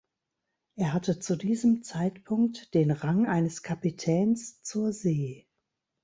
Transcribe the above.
Er hatte zu diesem Zeitpunkt den Rang eines Kapitäns zur See.